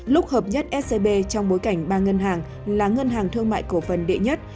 lúc hợp nhất scb trong bối cảnh ba ngân hàng là ngân hàng thương mại cổ phần đệ nhất